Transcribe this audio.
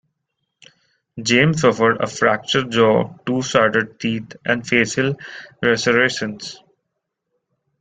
James suffered a fractured jaw, two shattered teeth and facial lacerations.